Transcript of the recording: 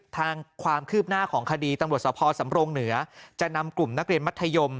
ทางความคืบหน้าของคดีตำรวจสภสำรงเหนือจะนำกลุ่มนักเรียนมัธยม